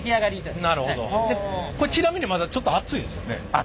これちなみにまだちょっと熱いですよね？